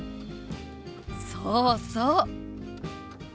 そうそう！